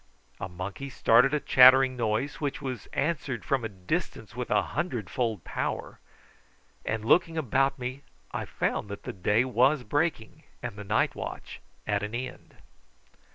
A monkey started a chattering noise, which was answered from a distance with a hundredfold power; and looking about me I found that the day was breaking and the night watch at an end.